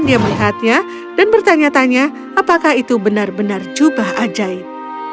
dia melihatnya dan bertanya tanya apakah itu benar benar jubah ajaib